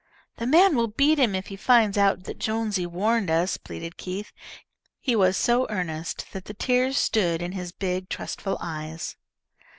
"The man will beat him if he finds out that Jonesy warned us," pleaded Keith. He was so earnest that the tears stood in his big, trustful eyes.